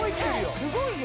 すごいよ！